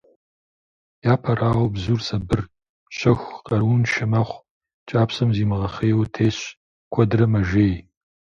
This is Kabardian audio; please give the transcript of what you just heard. Япэрауэ, бзур сабыр, щэху, къарууншэ мэхъу, кӏапсэм зимыгъэхъейуэ тесщ, куэдрэ мэжей.